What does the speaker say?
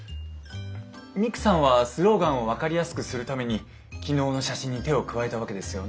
ミクさんはスローガンを分かりやすくするために昨日の写真に手を加えたわけですよね？